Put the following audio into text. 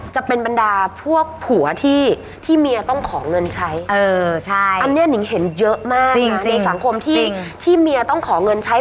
จะเป็นบรรดาพวกผัวที่เมียต้องขอเงินใช้อันนี้หนิ่งเห็นเยอะมากนะในสังคมที่เมียต้องขอเงินใช้